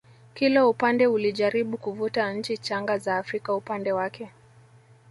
kila upande ulijaribu kuvuta nchi changa za Afrika upande wake